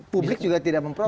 publik juga tidak memproses